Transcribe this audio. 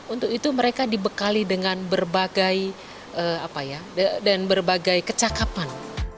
untuk itu mereka dibekali dengan berbagai kecakapan